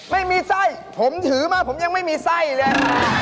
ไม่มีไส้ผมถือมาผมยังไม่มีไส้เลย